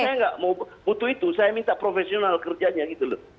saya nggak mau butuh itu saya minta profesional kerjanya gitu loh